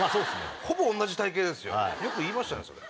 ほぼ同じ体形ですよよく言いましたねそれ。